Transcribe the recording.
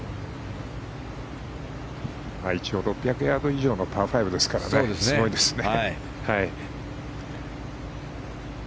一応６００ヤード以上のパー５ですからすごいですよね。